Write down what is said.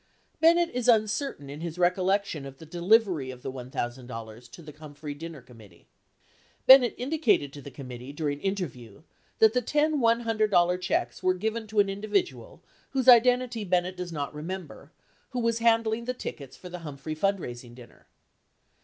Bennett is uncertain in his recollection of the delivery of the $1,000 to the "Humphrey Dinner Committee." Bennett indicated to the com mittee during interview that the ten $100 checks were given to an in dividual whose identity Bennett does not remember, who was handling the tickets for the Humphrey fund raising dinner.